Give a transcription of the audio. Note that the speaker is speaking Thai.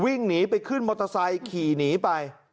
วิ่งหนีไปขึ้นรถทรายข่ายขี่หนีไป